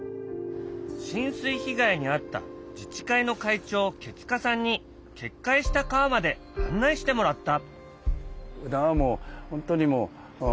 浸水被害に遭った自治会の会長毛塚さんに決壊した川まで案内してもらった。